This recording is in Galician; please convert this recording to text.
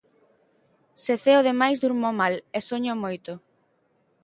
Se ceo de máis durmo mal e soño moito